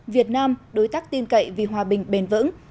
việt nam đối tác tin cậy vì hòa bình bền vững